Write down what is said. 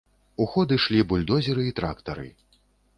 У ход ішлі бульдозеры і трактары.